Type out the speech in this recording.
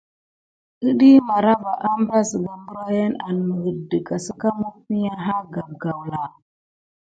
Iɗiy màrava ambra zəga mbrayin an məget dəga səka məfiga ha gape gawla.